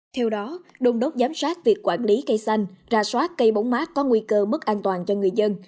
theo đó đông đốc giám sát việc quản lý cây xanh ra soát cây bóng mát có nguy cơ mất an toàn cho người dân